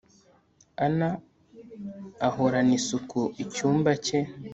ann ahorana isuku icyumba cye